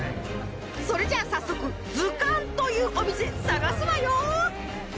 それじゃあ早速図鑑というお店探すわよ！